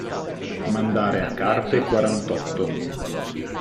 Mandare a carte quarantotto.